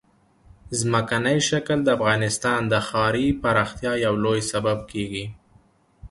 ځمکنی شکل د افغانستان د ښاري پراختیا یو لوی سبب کېږي.